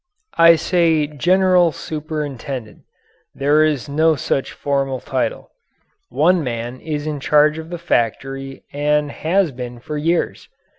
I say "general superintendent." There is no such formal title. One man is in charge of the factory and has been for years.